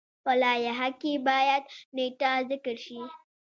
په لایحه کې باید نیټه ذکر شي.